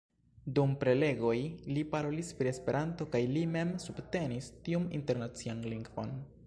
Dum prelegoj, li parolis pri Esperanto kaj li mem subtenis tiun Internacian Lingvon.